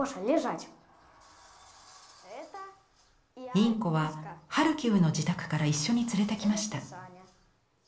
インコはハルキウの自宅から一緒に連れてきました。